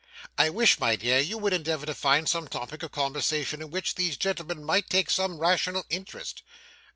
'I wish, my dear, you would endeavour to find some topic of conversation in which these gentlemen might take some rational interest.